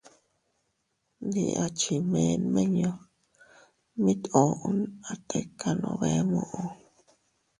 Ndi a chi mee nmiññu, mit uun a tikano bee muʼu.